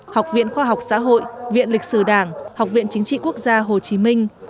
học viện khoa học xã hội viện lịch sử đảng học viện chính trị quốc gia hồ chí minh